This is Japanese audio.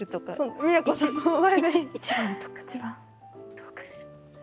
どうかしら。